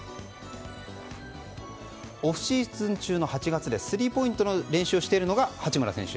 オフシーズン中の８月スリーポイントの練習をしているのが八村選手。